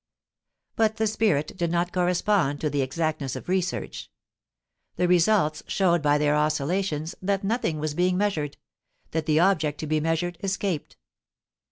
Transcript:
But the spirit did not correspond to the exactness of research the results showed by their oscillations that nothing was being measured that the object to be measured escaped.